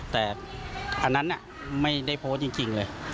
แต่อันนั้นไม่ได้โพสต์จริงเลย